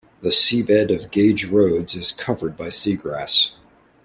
The seabed of Gage Roads is covered by seagrass.